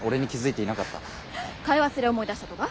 買い忘れ思い出したとか？